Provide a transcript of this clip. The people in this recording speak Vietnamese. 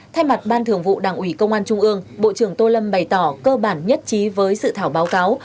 thay mặt ban thường vụ đảng ủy công an trung ương bộ trưởng tô lâm bày tỏ cơ bản nhất trí với sự thảo báo cáo